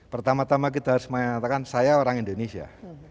pertama tama kita harus mengatakan saya orang indonesia